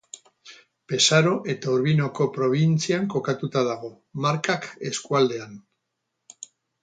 Pesaro eta Urbinoko probintzian kokatuta dago, Markak eskualdean.